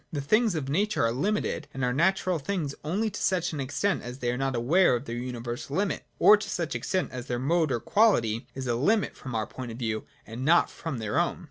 The things of nature are limited and are natural things only to such extent as they are not aware of their universal limit, or to such extent as their mode or quality is a limit from our point of view, and not from their own.